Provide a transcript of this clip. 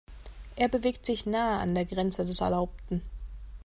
Er bewegt sich nah an der Grenze des Erlaubten.